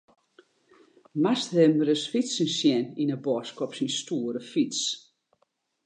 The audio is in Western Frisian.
Moatst him ris fytsen sjen yn 'e bosk op syn stoere fyts.